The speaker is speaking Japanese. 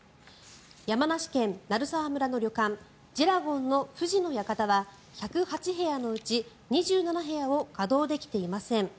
山梨県鳴沢村の旅館じらごんの富士の館は１０８部屋のうち２７部屋を稼働できていません。